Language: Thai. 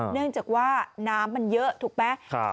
เนื่องจากว่าน้ำมันเยอะถูกไหม